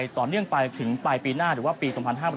ต่อเนื่องไปถึงปลายปีหน้าหรือว่าปี๒๕๖๐